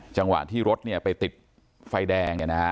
จังหวะที่รถไปติดไฟแดง